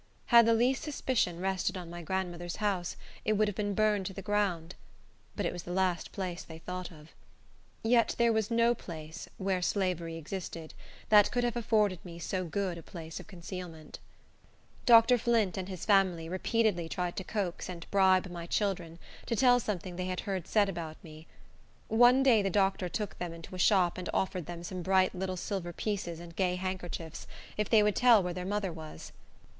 Had the least suspicion rested on my grandmother's house, it would have been burned to the ground. But it was the last place they thought of. Yet there was no place, where slavery existed, that could have afforded me so good a place of concealment. Dr. Flint and his family repeatedly tried to coax and bribe my children to tell something they had heard said about me. One day the doctor took them into a shop, and offered them some bright little silver pieces and gay handkerchiefs if they would tell where their mother was.